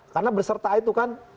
karena berserta itu kan